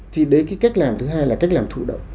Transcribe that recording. thì đấy cái cách làm thứ hai là cách làm thụ động